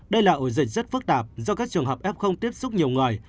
đây là ổ dịch rất phức tạp do các trường hợp f tiếp xúc nhiều người